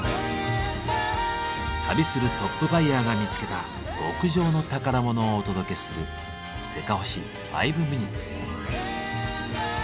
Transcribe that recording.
旅するトップバイヤーが見つけた極上の宝物をお届けする「せかほし５ｍｉｎ．」。